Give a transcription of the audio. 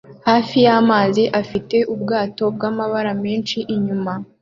hafi yamazi afite ubwato bwamabara menshi inyuma